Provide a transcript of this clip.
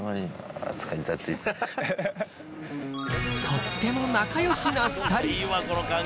とっても仲よしな２人。